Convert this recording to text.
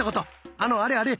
あのあれあれ！